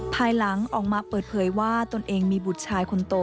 ภายหลังออกมาเปิดเผยว่าตนเองมีบุตรชายคนโต